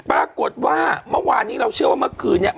ปรากฏว่าเมื่อวานนี้เราเชื่อว่าเมื่อคืนเนี่ย